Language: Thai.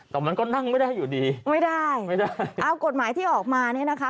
มันก็นั่งไม่ได้อยู่ดีไม่ได้ไม่ได้เอากฎหมายที่ออกมาเนี่ยนะคะ